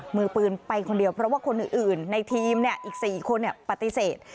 มือปืนไปคนเดียวเพราะว่าคนอื่นในทีมอีก๔คนปฏิเสธ